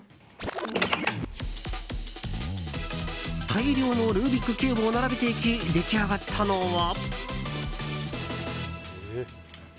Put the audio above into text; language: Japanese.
大量のルービックキューブを並べていき出来上がったのは。